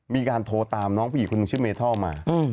มีการโทรตามน้องผู้หญิงคนหนึ่งชื่อเมทอลมา